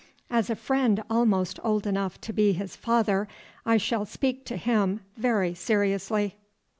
As a friend almost old enough to be his father, I shall speak to him very seriously."